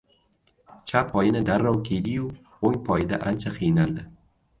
Chap poyini darrov kiydi-yu, o‘ng poyida ancha qiynaldi.